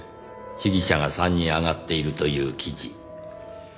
被疑者が３人挙がっているという記事。